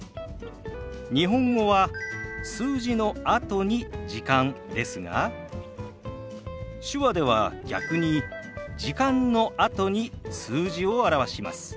日本語は数字のあとに「時間」ですが手話では逆に「時間」のあとに数字を表します。